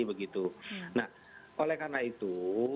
begitu nah oleh karena itu